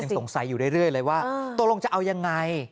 ตัวลงจะเอายังไง